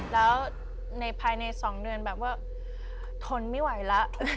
แล้วในภายใน๒เดือนแบบว่าทนไม่ไหวแล้ว